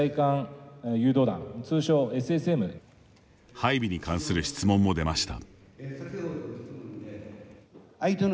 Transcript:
配備に関する質問も出ました。